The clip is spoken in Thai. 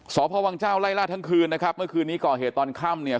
สพวังเจ้าไล่ล่าทั้งคืนนะครับเมื่อคืนนี้ก่อเหตุตอนค่ำเนี่ย